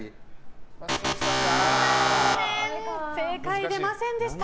残念、正解でませんでした。